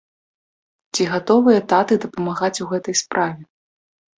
Ці гатовыя таты дапамагаць у гэтай справе?